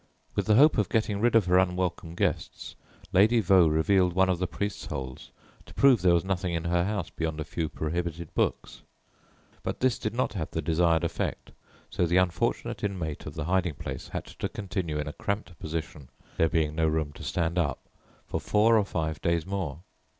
With the hope of getting rid of her unwelcome guests, Lady Vaux revealed one of the "priests' holes" to prove there was nothing in her house beyond a few prohibited books; but this did not have the desired effect, so the unfortunate inmate of the hiding place had to continue in a cramped position, there being no room to stand up, for four or five days more.